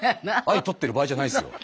愛とってる場合じゃないですよ。